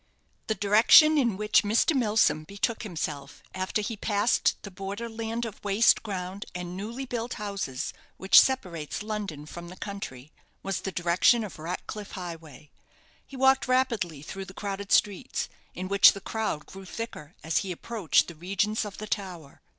The direction in which Mr. Milsom betook himself, after he passed the border land of waste ground and newly built houses which separates London from the country, was the direction of Ratcliff Highway. He walked rapidly through the crowded streets, in which the crowd grew thicker as he approached the regions of the Tower.